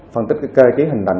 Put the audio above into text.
phân tích cái cơ chế hình thành